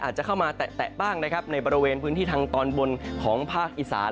อาจจะเข้ามาแตะบ้างนะครับในบริเวณพื้นที่ทางตอนบนของภาคอีสาน